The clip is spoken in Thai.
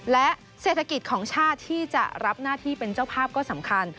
และเศรษฐกิจของชาติที่จะรับหน้าที่เป็นเจ้าภาพก็สำคัญ